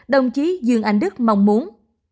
đồng chí dương anh đức mong muốn